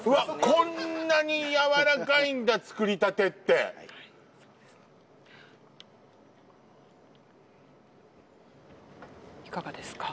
こんなにやわらかいんだ作りたてっていかがですか？